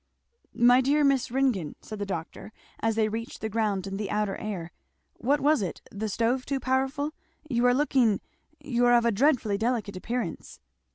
"My dear Miss Ringgan!" said the doctor as they reached the ground and the outer air, "what was it? the stove too powerful? You are looking you are of a dreadfully delicate appearance!"